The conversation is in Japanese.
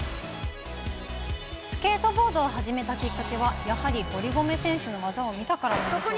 スケートボードを始めたきっかけは、やっぱり堀米選手の技を見たからなんでしょうか。